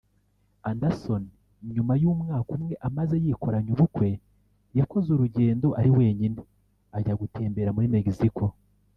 Anderson nyuma y’umwaka umwe amaze yikoranye ubukwe yakoze urugendo ari wenyine ajya gutembera muri Mexico